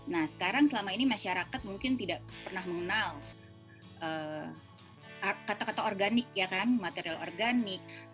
nah sekarang selama ini masyarakat mungkin tidak pernah mengenal kata kata organik ya kan material organik